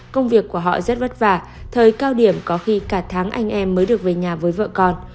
công việc của họ rất vất vả thời cao điểm có khi cả tháng anh em mới được về nhà với vợ con